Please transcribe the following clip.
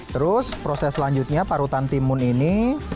terus proses selanjutnya parutan timun ini